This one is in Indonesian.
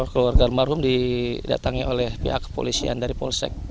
keluarga almarhum didatangi oleh pihak kepolisian dari polsek